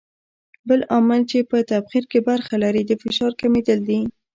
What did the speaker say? بل عامل چې په تبخیر کې برخه لري د فشار کمېدل دي.